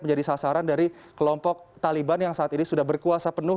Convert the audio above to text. menjadi sasaran dari kelompok taliban yang saat ini sudah berkuasa penuh